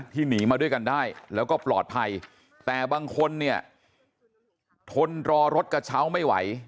หนีมาด้วยกันได้แล้วก็ปลอดภัยแต่บางคนเนี่ยทนรอรถกระเช้าไม่ไหว